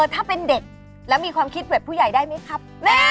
ถ้าเป็นเด็กแล้วมีความคิดแบบผู้ใหญ่ได้ไหมครับแม่